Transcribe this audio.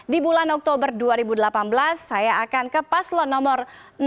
di bulan oktober dua ribu delapan belas saya akan ke paslon nomor